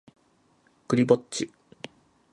クリぼっち